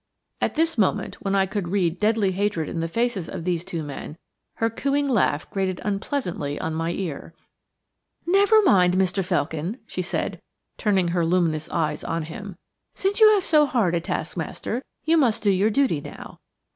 At this moment, when I could read deadly hatred in the faces of these two men, her cooing laugh grated unpleasantly on my ear. "Never mind, Mr. Felkin," she said, turning her luminous eyes on him. "Since you have so hard a taskmaster, you must do your duty now.